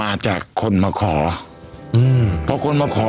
ผมจะมีรูปภาพของพระพิสุนุกรรม